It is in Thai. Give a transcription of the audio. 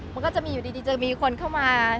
มันก็จะมีอยู่ดีจะมีคนเข้ามา